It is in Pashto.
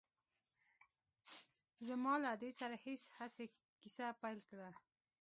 زما له ادې سره يې هسې کيسه پيل کړه.